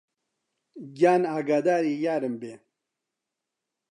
گیان ئاگادری یارم بی